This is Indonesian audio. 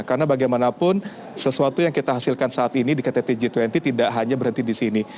karena bagaimanapun sesuatu yang kita hasilkan saat ini di ktt g dua puluh tidak hanya berhenti di sini